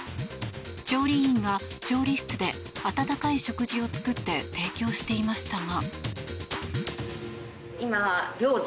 調理員が調理室で温かい食事を作って提供していましたが。